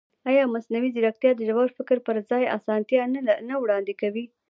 ایا مصنوعي ځیرکتیا د ژور فکر پر ځای اسانتیا نه وړاندې کوي؟